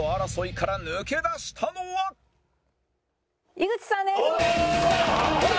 井口さんです！